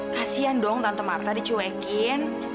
kasian dong tante marta dicuekin